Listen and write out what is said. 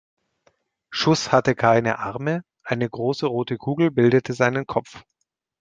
Schuss hatte keine Arme, eine große rote Kugel bildete seinen Kopf.